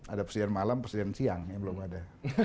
ada presiden malam presiden siang yang belum ada